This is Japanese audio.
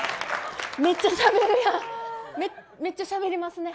めっちゃしゃべるやん！